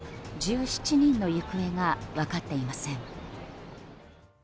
いまだ１７人の行方が分かっていません。